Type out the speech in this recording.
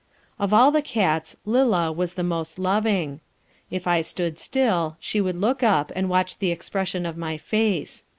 Of all the cats Lillah was the most loving. If I stood still, she would look up, and watch the expression of my face.